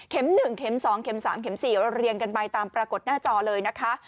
๑เข็ม๒เข็ม๓เข็ม๔เรียงกันไปตามปรากฏหน้าจอเลยนะคะ